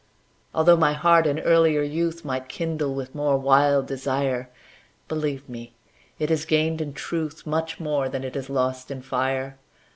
Altho' my heart in earlier youth Might kindle with more wild desire, Believe me, it has gained in truth Much more than it has lost in fire.